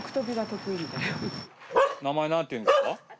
名前なんていうんですか？